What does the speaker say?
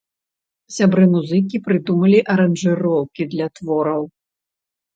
Сябры-музыкі прыдумалі аранжыроўкі для твораў.